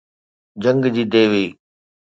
جنگ جي ديوي